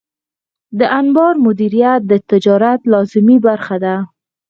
د انبار مدیریت د تجارت لازمي برخه ده.